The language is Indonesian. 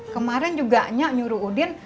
kemarin juga nyak nyuruh udin